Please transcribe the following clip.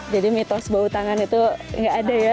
jadi mitos bau tangan itu enggak ada ya